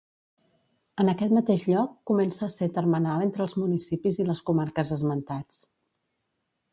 En aquest mateix lloc comença a ser termenal entre els municipis i les comarques esmentats.